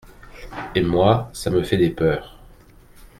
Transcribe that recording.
Et moi, ça me fait des peurs…